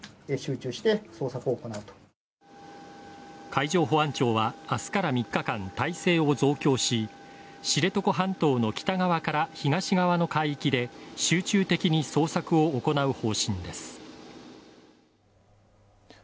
海上保安庁は明日から３日間、態勢を増強し、知床半島の北側から東側の海域で集中的に捜索を行う方針です。